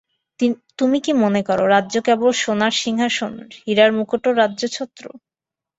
তুমি কি মনে কর রাজ্য কেবল সোনার সিংহাসন, হীরার মুকুট ও রাজছত্র?